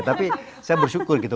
tapi saya bersyukur gitu